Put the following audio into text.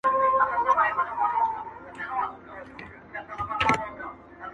ستا خو د سونډو د خندا خبر په لپه كي وي,